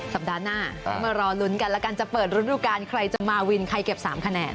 สัปดาห์หน้าก็มารอลุ้นกันแล้วกันจะเปิดฤดูการใครจะมาวินใครเก็บ๓คะแนน